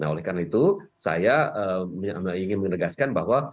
nah oleh karena itu saya ingin menegaskan bahwa